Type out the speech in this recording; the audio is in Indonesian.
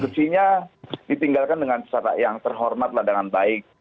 dia kan menginginkan legasinya ditinggalkan dengan cara yang terhormat ladangan baik